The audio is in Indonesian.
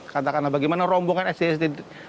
katakanlah bagaimana rombongan sd sd